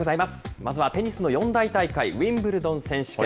まずはテニスの四大大会、ウィンブルドン選手権。